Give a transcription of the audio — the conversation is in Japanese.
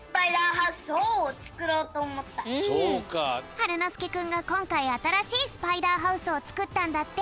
はるのすけくんがこんかいあたらしいスパイダーハウスをつくったんだって。